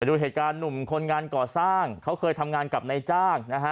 ดูเหตุการณ์หนุ่มคนงานก่อสร้างเขาเคยทำงานกับนายจ้างนะฮะ